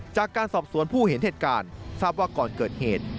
จากการสอบสวนผู้เห็นเหตุการณ์ทราบว่าก่อนเกิดเหตุ